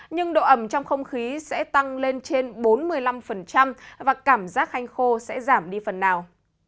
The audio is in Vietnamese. nhưng độ ẩm trong không khí sẽ tăng lên trên bốn mươi năm và cảm giác hanh khô sẽ giảm đi phần nào